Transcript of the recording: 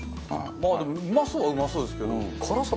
まあでもうまそうはうまそうですけど。